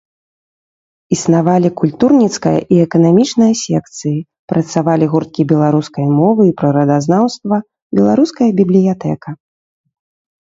Існавалі культурніцкая і эканамічная секцыі, працавалі гурткі беларускай мовы і прыродазнаўства, беларуская бібліятэка.